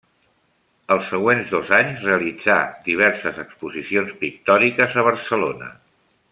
Els següents dos anys realitzà diverses exposicions pictòriques a Barcelona.